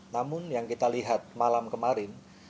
namun yang kita lihat malam kemarin